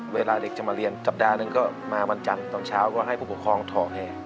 เวลาเด็กจะมาเรียนสัปดาห์หนึ่งก็มาวันจันทร์ตอนเช้าก็ให้ผู้ปกครองทอแห่